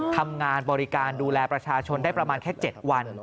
ทำงานบริการดูแลประชาชนได้ประมาณแค่๗วัน